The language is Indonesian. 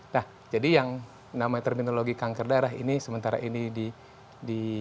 nah jadi yang namanya terminologi kanker darah ini sementara ini di